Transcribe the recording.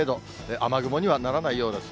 雨雲にはならないようです。